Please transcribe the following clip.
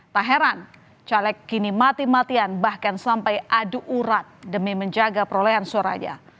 tak heran caleg kini mati matian bahkan sampai adu urat demi menjaga perolehan suaranya